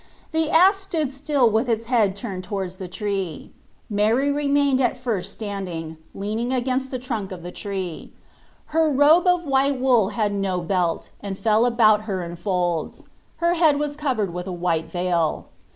The ass stood still with its head turned towards the tree. Mary remained at first standing, leaning against the trunk of the tree. Her robe of white wool, had no belt, and fell about her in folds ; her head was covered with a white veil.